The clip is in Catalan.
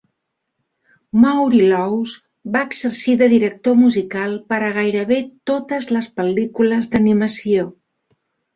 Maury Laws va exercir de director musical per a gairebé totes les pel·lícules d'animació.